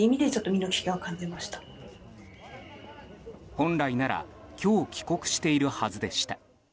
本来なら、今日帰国しているはずでした。